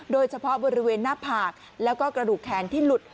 โดยเฉพาะบริเวณหน้าผากแล้วก็กระดูกแขนที่หลุด